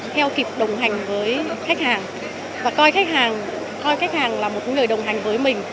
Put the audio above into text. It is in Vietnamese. theo kịp đồng hành với khách hàng và coi khách hàng là một người đồng hành với mình